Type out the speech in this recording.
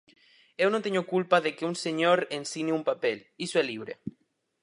Eu non teño culpa de que un señor ensine un papel, iso é libre.